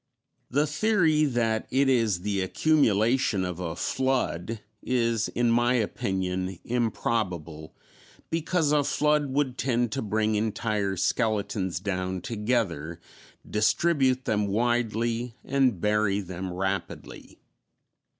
The theory that it is the accumulation of a flood is, in my opinion, improbable, because a flood would tend to bring entire skeletons down together, distribute them widely, and bury them rapidly.